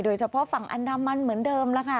เฉพาะฝั่งอันดามันเหมือนเดิมแล้วค่ะ